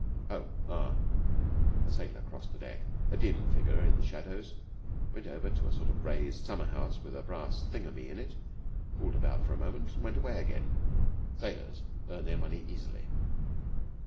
"Oh, ah!" A sailor crossed the deck, a dim figure in the shadows, went over to a sort of raised summerhouse with a brass thingummy in it, fooled about for a moment, and went away again. Sailors earn their money easily.